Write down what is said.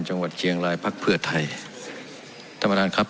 จังหวัดเชียงรายพักเพื่อไทยท่านประธานครับ